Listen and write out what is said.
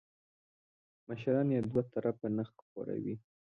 مشران یې دوه طرفه نه خوري .